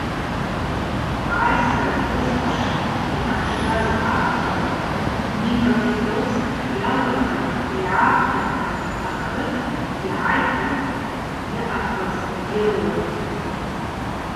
Айсра зысквш йгӏаншаз апхын Днепропетровск йауата йгӏапхарта акыт йгӏайта йаъакваз йрыуан.